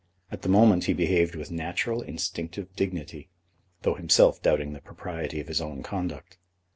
At the moment he behaved with natural instinctive dignity, though himself doubting the propriety of his own conduct.